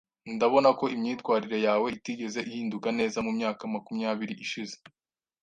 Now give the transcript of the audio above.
Ndabona ko imyitwarire yawe itigeze ihinduka neza mumyaka makumyabiri ishize.